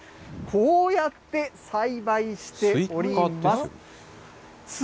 こうやって栽培しております。